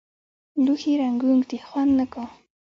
لوښي رنګونک دي خوند نۀ که